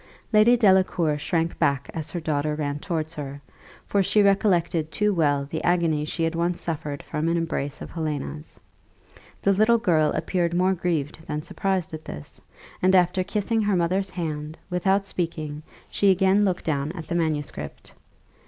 Lady Delacour shrunk back as her daughter ran towards her; for she recollected too well the agony she had once suffered from an embrace of Helena's. The little girl appeared more grieved than surprised at this; and after kissing her mother's hand, without speaking, she again looked down at the manuscript.